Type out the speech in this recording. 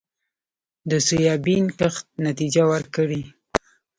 د سویابین کښت نتیجه ورکړې